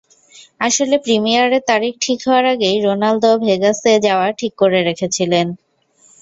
আসলে প্রিমিয়ারের তারিখ ঠিক হওয়ার আগেই রোনালদো ভেগাসে যাওয়া ঠিক করে রেখেছিলেন।